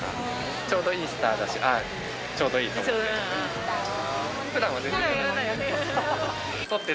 ちょうどイースターだし、ちょうどいいと思って。